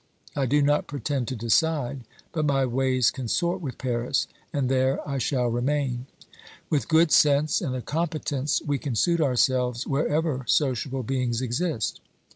I do not pretend to decide, but my ways consort with Paris, and there I shall remain. With good sense and a competence we can suit ourselves wherever sociable beings exist.